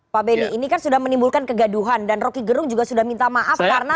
pak benny ini kan sudah menimbulkan kegaduhan dan roky gerung juga sudah minta maaf karena